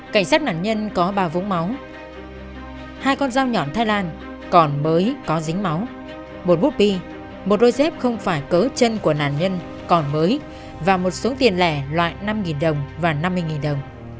cảnh sát nạn nhân có ba vũng máu hai con dao nhọn thái lan còn mới có dính máu một rupee một đôi dép không phải cớ chân của nạn nhân còn mới và một số tiền lẻ loại năm đồng và năm mươi đồng